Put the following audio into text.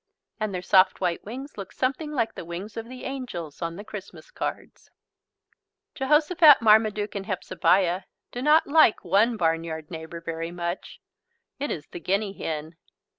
And their soft white wings look something like the wings of the angels on the Christmas cards. Jehosophat, Marmaduke, and Hepzebiah do not like one barnyard neighbour very much. It is the guinea hen.